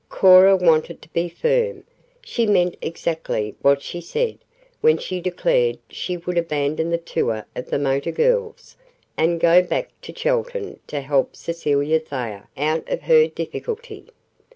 Cora wanted to be firm; she meant exactly what she said when she declared she would abandon the tour of the motor girls, and go back to Chelton to help Cecilia Thayer out of her difficulty.